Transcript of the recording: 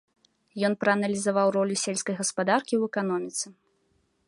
Ён прааналізаваў ролю сельскай гаспадаркі ў эканоміцы.